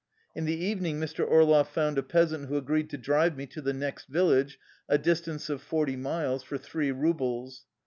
In the evening Mr. Orloff found a peasant who agreed to drive me to the next village, a distance of forty miles, for three rubles.